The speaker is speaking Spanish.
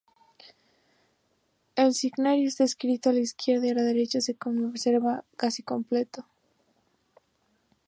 El signario está escrito de izquierda a derecha y se conserva casi completo.